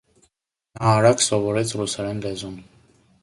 Նա արագ սովորեց ռուսերեն լեզուն։